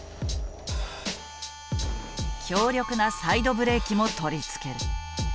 強力なサイドブレーキも取り付ける。